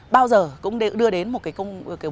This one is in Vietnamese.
bao giờ cũng đưa đến một cái hoạt động lừa đảo